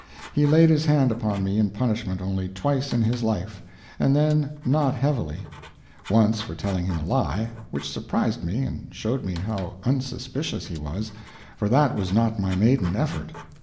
He laid his hand upon me in punishment only twice in his life, and then not heavily; once for telling him a lie which surprised me, and showed me how unsuspicious he was, for that was not my maiden effort.